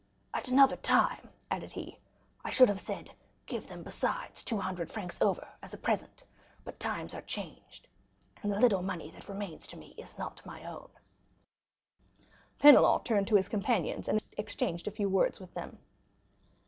"At another time," added he, "I should have said, Give them, besides, two hundred francs over as a present; but times are changed, and the little money that remains to me is not my own, so do not think me mean on this account." Penelon turned to his companions, and exchanged a few words with them.